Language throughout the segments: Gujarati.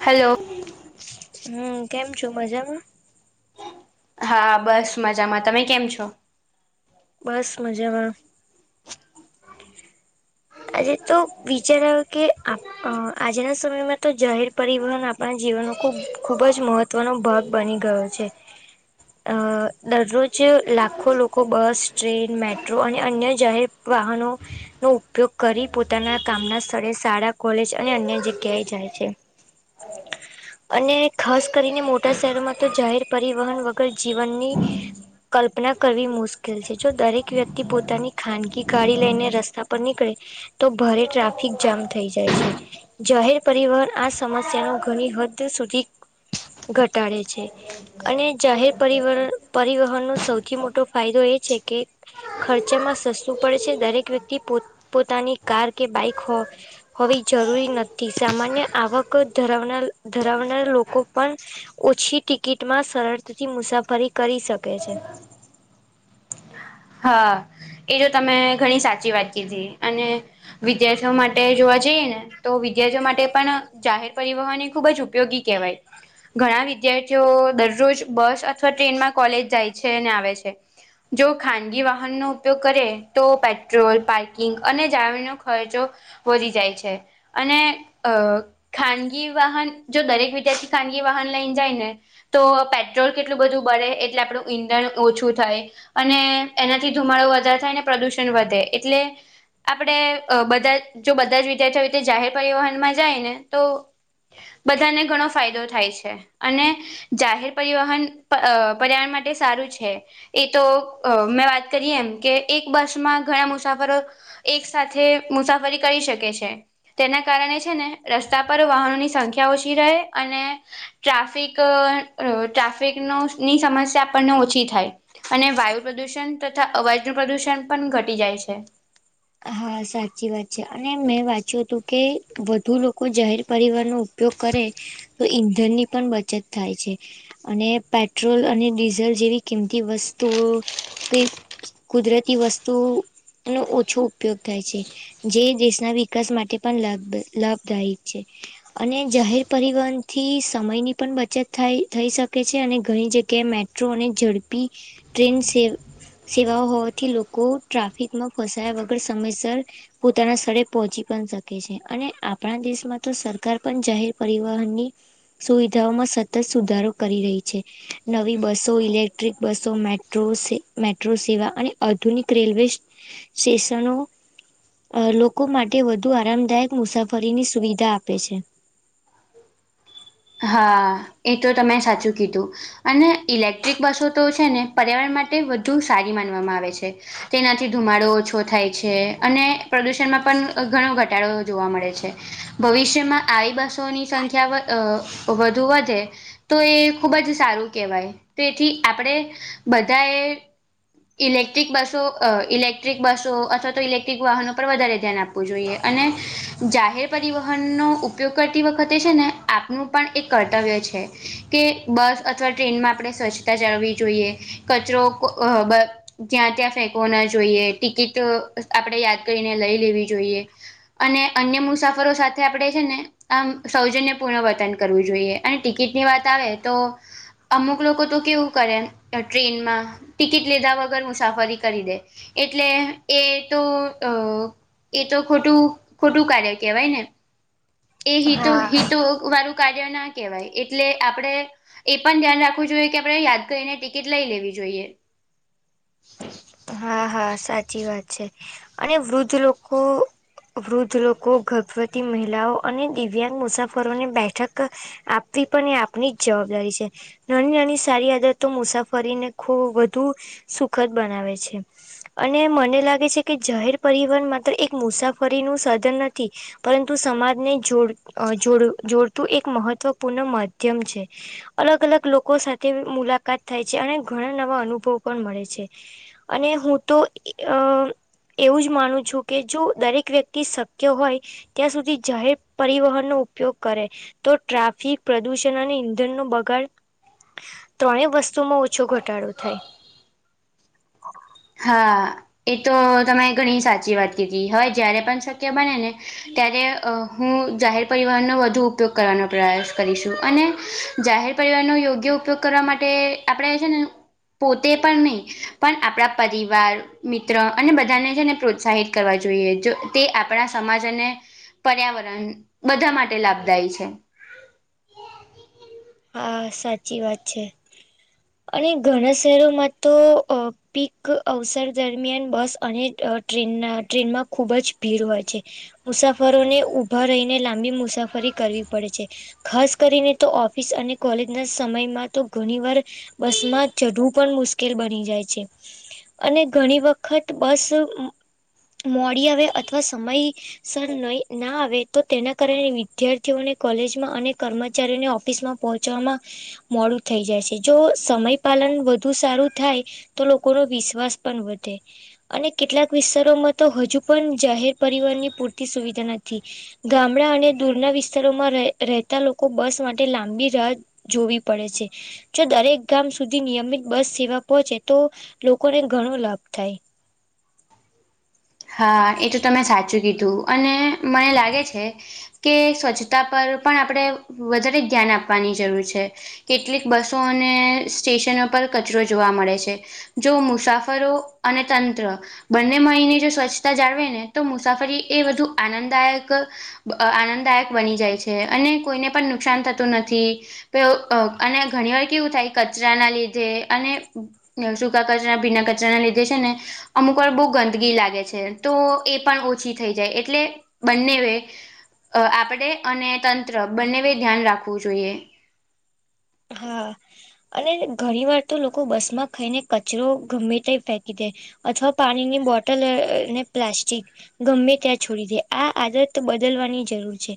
હેલો હમ કેમ છો મજામાં? હા, બસ મજામાં તમે કેમ છો? બસ મજામાં. આજે તો વિચાર આવ્યો કે આપ અ આજના સમયમાં તો જાહેર પરિવહન આપણા જીવન ખુબ ખુબ જ મહત્વનો ભાગ બની ગયો છે. અ દરરોજ લાખો લોકો બસ ટ્રેન મેટ્રો અને અન્ય જાહેર.. વાહનો નો.. ઉપયોગ કરી પોતાના કામના સ્થળે શાળા કોલેજ અને અન્ય જગ્યાએ જાય છે. અને ખાસ કરીને મોટા શહેરમાં તો જાહેર પરિવહન વગર જીવનની.. કલ્પના કરવી મુશ્કેલ છે જો દરેક વ્યક્તિ પોતાની ખાનગી ગાડી લઈને રસ્તા ઉપર નીકળે તો ભારે ટ્રાફિક જામ થઈ જાય છે. જાહેર પરિવહન આ સમસ્યા નો ઘણી હદ સુધી ઘટાડે છે. અને જાહેર પર પરિવહનનો સૌથી મોટો ફાયદો એ છે કે. ખર્ચામાં સસ્તું પડે છે દરેક વ્યક્તિ પો પોતાની કાર કે બાઈક હોવી જરૂરી નથી સામાન્ય આવક ધરાવનાર ધરાવનાર લોકો પણ ઓછી ટિકિટમાં સરળતાથી મુસાફરી કરી શકે છે. હા, એ જો તમે ઘણી સાચી વાત કીધી અને વિદ્યાર્થીઓ માટે જોવા જઈએ ને તો વિદ્યાર્થીઓ માટે પણ જાહેર પરિવહન એ ખુબ જ ઉપયોગી કહેવાય. ઘણા વિદ્યાર્થીઓ દરરોજ બસ અથવા ટ્રેનમાં કોલેજ જાય છે ને આવે છે. જો. ખાનગી વાહનનો ઉપયોગ કરે તો પેટ્રોલ, પાર્કિંગ અને જાણવણીનો ખર્ચો વધી જાય છે. અને અ ખાનગી વાહન જો દરેક વિદ્યાર્થી ખાનગી વાહન લઈને જાય ને તો પેટ્રોલ કેટલું બધું બળે એટલે આપણું ઈંધણ ઓછું થાય.. અને એનાથી ધુમાડો વધારે થાય અને વધે એટલે આપણે બધા જ બધા જ વિદ્યાર્થીઓ અવી રીતે જાહેર પરિવહનમાં જાય ને તો બધાને ઘણો ફાયદો થાય છે અને જાહેર પરિવહન પ પર્યાવરણ માટે સારું છે એ તો અ મેં વાત કરીએ એમ કે એક બસમાં ઘણા મુસાફરો એક સાથે મુસાફરી કરી શકે છે. તેના કારણે છે ને રસ્તા પર વાહનોની સંખ્યા ઓછી રહે અને. ટ્રાફિક ટ્રાફિકનો ની સમસ્યા આપણને ઓછી થાય. અને વાયુ પ્રદુષણ તથા અવાજનું પ્રદુષણ પણ ઘટી જાય છે. હા સાચી વાત છે અને મેં વાંચ્યું હતું કે વધુ લોકો જાહેર પરિવારનો ઉપયોગ કરે. તો ઈંધણ ની પણ બચત થાય છે. અને પેટ્રોલ અને ડીઝલ જેવી કિંમતી વસ્તુઓ કઈ. કુદરતી વસ્તુ નો ઓછો ઉ. ઉપયોગ થાય છે. જે દેશના વિકાસ માટે પણ લાભ લાભદાયક છે. અને જાહેર પરિવહનથી સમયની પણ બચત થાય થઈ શકે છે અને ઘણી જગ્યાએ મેટ મેટ્રો ની ઝડપી ટ્રેન સે સેવાઓ હોવાથી લોકો ટ્રાફિકમા ફસાયા વગર સમયસર. પોતાના સ્થળે પહોંચી પણ શકે છે. અને આપણા દેશમાં તો સરકાર પણ જાહેર પરિવહનની સુવિધાઓમાં સતત સુધારો કરી રહી છે. નવી બસો ઇલેક્ટ્રિક બસો મેટ્રો મેટ્રો સેવા અને આધુનિક રેલવે. સેસ લોકો માટે વધુ આરામદાયક મુસાફરીની સુવિધા આપે છે. હા. એ તો તમે સાચું કીધું. અને ઇલેક્ટ્રિક બસો તો છે ને પર્યાવરણ માટે વધુ સારી માનવામાં આવે છે. તેનાથી ધુમાડો ઓછો થાય છે અને પ્રદુષણમાં પણ ઘણો ઘટાડો જોવા મળે છે. ભવિષ્યમાં આવી બસોની સંખ્યા વધ વધુ વધે. તો એ ખૂબ જ સારું કહેવાય એથી આપણે બધા એ ઇલેક્ટ્રિક બસો અ ઇલેક્ટ્રિક બસો અથવા તો ઇલેક્ટ્રિક વાહનો પર વધારે ધ્યાન આપ આપવું જોઈએ અને જાહેર પરિવહનનો ઉપયોગ કરતી વખતે છે ને આપ આપણું પણ એક કર્તવ્ય છે કે બસ અથવા ટ્રેનમાં આપણે સ્વચ્છતા જાળવી જોઈએ. કચરો કો અ બ જ્યાં ત્યાં ફેંકવાો ના જોઈએ ટિકિટ આપડે યાદ કરીને લઈ લેવી જોઈએ. અને અન્ય મુસાફરો સાથે આપડે છે ને આમ સૌજન્ય પૂર્ણ વ વર્તન કરવું જોઈએ અને ટિકિટની વાત આવે તો અમુક લોકો તો કેવું કરે ટ્રેનમાં ટિકિટ લીધા વગર મુસાફરી કરી દે. એટલે એ તો અ એ તો ખોટું ખોટું કાર્ય કેહેવાય ને. એ હા હિતો હિતો વાળું કાર્ય ના કહેવાય એટલે આપડે. એ પણ ધ્યાન રાખવું જોઈએ કે આપણે યાદ કરીને ટિકિટ લઈ લેવી જોઈએ. હા હા સાચી વાત છે અને વૃદ્ધ લોકો. વૃદ્ધ લોકો, ગર્ભવતી મહિલાઓ અને દિવ્યાંગ મુસાફરોની બેઠક. આપવી પણ એ આપની જ જવાબદારી છે. નાની નાની સારી આદતો મુસાફરીને ખબ વધુ સુખદ બનાવે છે. અને મને લાગે છે કે જાહેર પરિવહન માત્ર એક મુસાફરી નું સાધન નથી. પરંતુ સમાજને જોડ જોડ જોડતું એક મહત્વપૂર્ણ માધ્યમ છે. અલગ અલગ લોકો સાથે મુલાકાત થાય છે અને ઘણા નવા અનુભવ પણ મળે છે. અને હું તો અ એવું જ માનું છું કે જો દરેક વ્યક્તિ શક્ય હોય. ત્યાં સુધી જાહેર પરિવહન નો ઉપયોગ કરે. તો ટ્રાફિક પ્રદુષણ અને ઈંધણનું બગાડ ત્રણેય વસ્તુમાં ઓછો ઘટાડો થાય. [inaudible] હા, એ તો તમે ઘણી સાચી વાત કીધી. હવે જયારે પણ શક્ય બનેને ત્યારે હું જાહેર પરિવહનનો વધુ ઉપયોગ કરવાનો પ્રયાસ કરીશું અને જાહેર પરિવારનો યોગ્ય ઉપયોગ કરવા માટે આપણે છે ને પોતે પણ નઈ, પણ આપણા પરિવાર, મિત્ર અને બધાને છેને પ્રોત્સાહિત કરવા જોઈએ. જો તે આપણા સમાજ અને પર્યાવરણ બધા માટે લાભદાયી છે. હા, સાચી વાત છે. અને ઘણા શહેરોમાં તો અ પીક અવસર દરમિયાન બસ અને અ ટ્રેનના ટ્રેનમાં ખુબ જ ભીડ હોય છે. મુસાફરોને ઉભા રહીને લાંબી મુસાફરી કરવી પડે છે. ખાસ કરીને તો ઓ ફીસ અને કોલેજના સમયમાં તો ઘણી વાર બસમાં ચઢવું પણ મુશ્કેલ બની જાય છે. અને ઘણી વખત બસ મોડી આવે અથવા સમય સર નઈ ના આવે તો તેના કારણે વિદ્યાર્થીઓને કોલેજમાં અને કર્મચારીઓને ઓ ઓફિસમાં પહોંચવામાં મોડું થઈ જાય છે. જો સમય પાલન વધુ સારું થાય તો લોકોનો વિશ્વાસ પણ વધે. અને કેટલાક વિસ્તારોમાં તો હજુ પણ જાહેર પરિવહનની પૂરતી સુવિધા નથી. ગામડા અને દૂરના વિસ્તારોમાં રે રહેતા લોકો બસ મા લાંબી રાહ જોવી પડે છે. જો દરેક ગામ સુધી નિયમિત બસ સેવા પહોંચે તો લોકોને ઘણો લાભ થાય. હા, એ તો તમે સાચું કીધું અને મને લાગે છે કે સ્વચ્છતા પર પણ આપણે વધારે ધ્યાન આપવાની જરૂર છે. કેટલીક બસો અને સ્ટેશનો પર કચરો જોવા મળે છે. જો મુસાફરો અને તંત્ર બંને મળીને જો સ્વ છતા જાળવેને તો મુસાફરી એ વધુ આનંદદાયક આનંદદાયક બની જાય છે અને કોઈને પણ નુકસાન થતું નથી. તો અ અને ઘણી વાર કેવું થાય કચરાના લીધે અને સૂકા કચરા, ભીના કચરાના લીધે છે ને અમુકવાર બઉ ગંદગી લાગે છ. એ તો એ પણ ઓછી થઈ જાય એટલે બંનેવે અ આપણે અને તંત્ર બંનેવે ધ્યાન રાખવું જોઈએ. હા અને ઘણી વાર તો લોકો બસમાં ખઈને કચરો ગમે તે ફેંકી દે. અથવા પાણીની બોટલ ને પ્લાસ્ટિક ગમે ત્યાં છોડી દે, આ આદત બદલવાની જરૂર છે.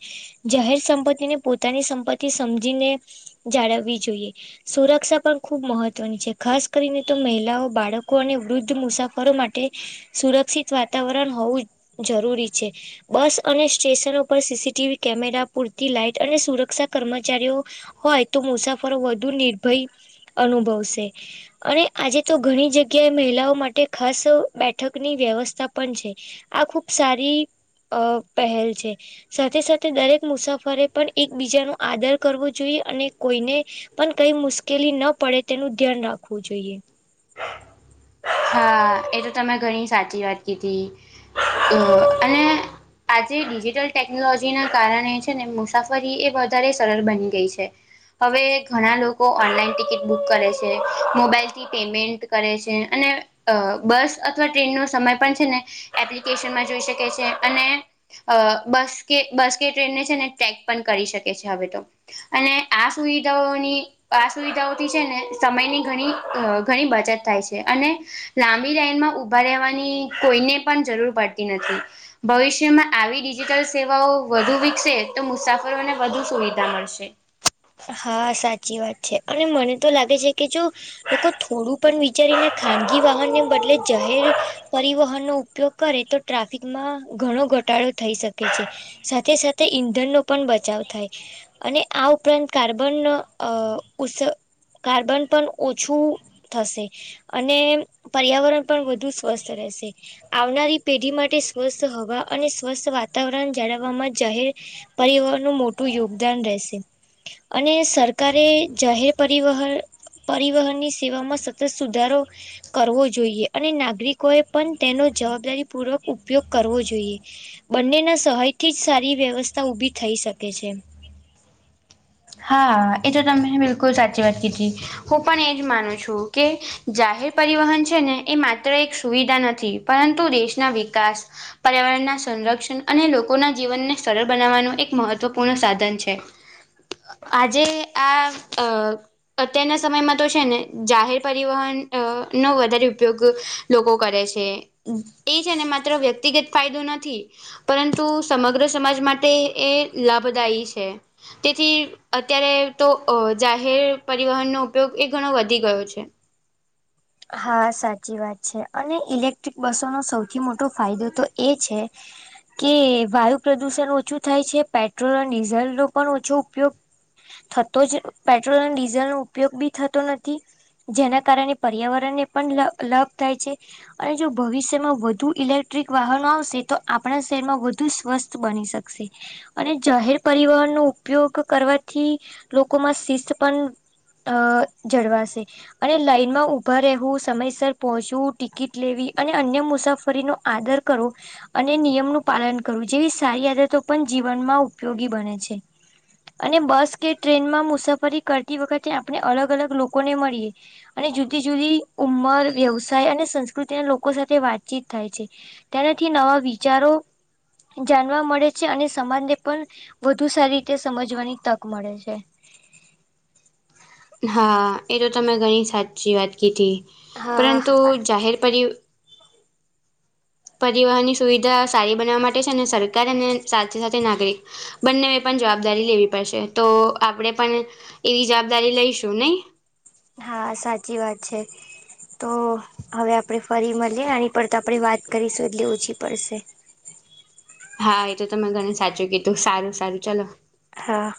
જાહેર સંપત્તિને પોતાની સંપત્તિ સમજીને જાળવવી જોઈએ. સુરક્ષા પણ ખૂબ મહત્વની છે. ખાસ કરીને તો મહિલાઓ, બાળકો અને વૃદ્ધ મુસાફરો માટે સુરક્ષિત વાતાવરણ હોવું જરૂરી છે. બસ અને સ્ટેશનો પર C C T V camera, પૂરતી લાઈટ અને સુરક્ષા કર્મચારીઓ હોય તો મુસાફરો વધુ નિર્ભય અનુભવશે અને આજે તો ઘણી જગ્યાએ મહિલાઓ માટે ખાસ બેઠકની વ્યવસ્થા પણ છે. આ ખુબ સારી અ પહેલ છે. સાથે સાથે દરેક મુસાફરે પણ એકબીજાનો આદર કરવો જોઈએ અને કોઈને પણ કઈ મુશ્કેલી ન પડે તેનું ધ્યાન રાખવું જોઈએ. હા, એ તો તમે ઘણી સાચી વાત કીધી અ અને આજે ડિજિટલ ટેકનોલોજીના કારણે છે ને મુસાફરી એ વધારે સરળ બની ગઈ છે. હવે ઘણા લોકો ઓનલાઈન ટિકિટ બુક કરે છે, મોબાઈલથી પેમેન્ટ કરે છે, અને અ બસ અથવા ટ્રેનનો સમય પણ છે ને એપ્લિકેશનમાં જોઈ શકે છે અને અ બસ કે બસ કે ટ્રેનને છે ને ટેક પણ કરી શકે છે, હવે તો અને આ સુવિધાઓની આ સુવિધાઓથી છે ને સમયની ઘણી ઘણી બચત થાય છે અને લાંબી લાઈનમાં ઊભા રહેવાની કોઈને પણ જરૂર પડતી નથી. ભવિષ્યમાં આવી ડિજિટલ સેવાઓ વધુ વિકસે તો મુસાફરોને વધુ સુવિધા મળશે. હા સાચ ચી વાત છે અને મને તો લાગે છે કે જો લોકો થોડું પણ વિચારીને ખાનગી વાહનને બદલે જાહેર પરિવહનનો ઉપયોગ કરે તો ટ્રાફિકમાં ઘણો ઘટાડો થઈ શકે છે. સાથે સાથે ઈંધણનો પણ બચાવ થાય અને આ ઉપરાંત કાર્બન અ કાર્બન પણ ઓછું થશે અને પર્યાવરણ પણ વધુ સ્વસ્થ રહેશે આવનારી પેઢી માટે સ્વસ્થ હવા અને સ્વસ્થ વાતાવરણ જાળવવામાં જાહેર પરિવહનનું મોટું યોગદાન રહેશે અને સરકારે જાહેર પરિવહન પરિવહનની સેવામાં સતત સુધારો કરવો જોઈએ અને નાગરિકોએ પણ તેનો જવાબદારી પૂર્વક ઉપયોગ કરવો જોઈએ. બંનેના સહાય થી જ સારી વ્યવસ્થા ઉભી થઈ શકે છે. હા, એ તો તમને બિલકુલ સાચી વાત કીધી હું પણ એજ માનું છું. કે જાહેર પરિવહન છે ને એ માત્ર એક સુવિધા નથી પરંતુ દેશના વિકાસ પર્યાવરણના સંરક્ષણ અને લોકોના જીવનને સરળ બનાવવાનું એક મહત્વપૂર્ણ સાધન છે. આજે આ અ અત્યારના સમયમાં તો છે ને જાહેર પરિવહન અ નો વધારે ઉપયોગ લોકો કરે છે ઈ છે ને માત્ર વ્યક્તિગત ફાયદો નથી. પરંતુ સમગ્ર સમાજ માટે એ લાભદાયી છે. તેથી અત્યારે તો જાહેર પરિવહનનો ઉપયોગ એ ઘણો વધી ગયો છે. હા સાચી વાત છે, અને ઇલેક્ટ્રિક બસોનો સૌથી મોટો ફાયદો તો એ છે. કે વાયુ પ્રદુષણ ઓછું થાય છે પેટ્રોલ અને ડીઝલનો પણ ઓછો ઉપયોગ થતો જ પેટ્રોલ અને ડીઝલનો ઉપયોગ બી થતો નથી જેના કારણે પર્યાવરણને પણ લાભ લાભ થાય છે. અને જો ભવિષ્યમાં વધુ ઇલેક્ટ્રિક વાહનો આવશે તો આપણા શહેરમાં વધુ સ્વસ્થ બની શકશે. અને જાહેર પરિવહનનો ઉપયોગ કરવાથી લોકોમાં શિસ્ત પણ અ જળવાશે અને લાઈનમાં ઉ ઊભા રહેવું સમયસર પહોંચવું ટિકિટ લેવી અને અન્ય મુસાફરીનો આદર કરો. અને નિયમનું પાલન કરવું જેવી સારી આદતો પણ જીવનમાં ઉપયોગી બને છે. અને બસ કે ટ્રેનમાં મુસાફરી કરતી વખતે આપણે અલગ અલગ લોકોને મળીએ અને જુદી જુદી ઉંમર વ્યવસાય અને સંસ્કૃતિના લોકો સાથે વાતચીત થાય છે. તેનાથી નવા વિચારો જાણવા મળે છે અને સમાજને પણ વધુ સારી રીતે સમજવાની તક મળે છે. હા એ તો તમે ઘણી સાચી વાત કીધી હા પરંતુ જાહેર પરિ પરિવહનની સુવિધા સારી બનાવવા માટે છે ને સરકાર અને સાથે સાથે નાગરિક બંનેવે પણ જવાબદારી લેવી પડશે તો આપણેે પણ એવી જવાબદારી લઈશું નહી. હા સાચી વાત છે. તો હવે આપડે ફરી મલીએ આની પર તો આપણે વાત કરીશું એટલી ઓછી પડશે હા એતો તમે ઘણ સાચું કીધું સારું સારુ ચાલો હા.